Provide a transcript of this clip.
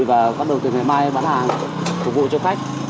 và bắt đầu từ ngày mai bán hàng phục vụ cho khách